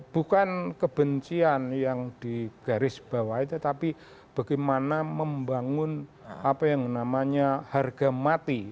bukan kebencian yang di garis bawah itu tapi bagaimana membangun apa yang namanya harga mati